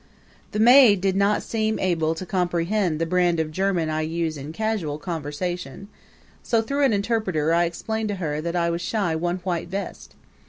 The maid did not seem to be able to comprehend the brand of German I use in casual conversation; so, through an interpreter, I explained to her that I was shy one white vest.